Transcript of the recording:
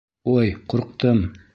Ой, ҡурҡтым!